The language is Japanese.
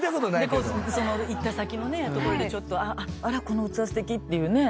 行った先の所でちょっとあらっこの器すてきっていうね。